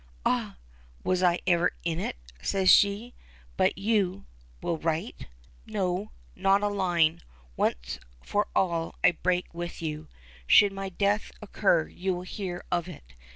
"Ah! was I ever in it?" says she. "But you will write?" "No. Not a line. Once for all I break with you. Should my death occur you will hear of it.